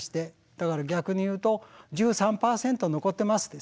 だから逆に言うと１３％残ってますですよね。